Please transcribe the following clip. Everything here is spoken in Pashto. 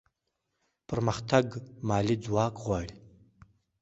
پرمختګ مالي ځواک غواړي.